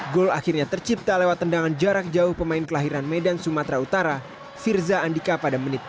gol akhirnya tercipta lewat tendangan jarak jauh pemain kelahiran medan sumatera utara firza andika pada menit tiga puluh